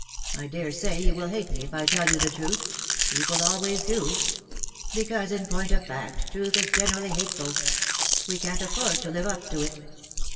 I dare say you will hate me if I tell you the truth : people always do ; because, in point of fact, truth is generally hateful. We can't afford to live up to it."